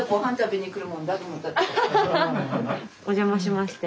お邪魔しまして。